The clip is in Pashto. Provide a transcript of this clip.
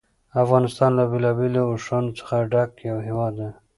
افغانستان له بېلابېلو اوښانو څخه ډک یو هېواد دی.